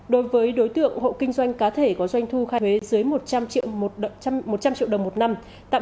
đối với đối tượng hộ kinh doanh cá thể có doanh thu khai thuế dưới một trăm linh triệu đồng một năm